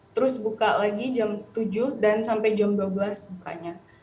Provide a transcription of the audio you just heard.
terus buka lagi jam tujuh dan sampai jam dua belas bukanya